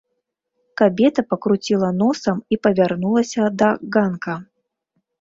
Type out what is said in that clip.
Кабета пакруціла носам і павярнулася да ганка.